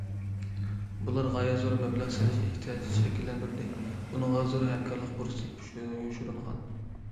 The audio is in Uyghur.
بۇلار غايەت زور مەبلەغ سېلىش ئېھتىياجى شەكىللەندۈردى، ئۇنىڭغا زور ھەمكارلىق پۇرسىتى يوشۇرۇنغان.